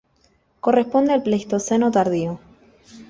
Corresponde al Pleistoceno tardío.